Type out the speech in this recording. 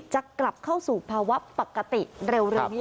จะกลับเข้าสู่ภาวะปกติเร็วนี้